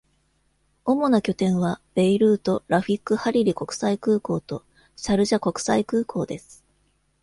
主な拠点はベイルート・ラフィック・ハリリ国際空港とシャルジャ国際空港です。